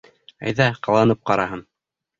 Әйҙә, ҡыланып ҡараһын.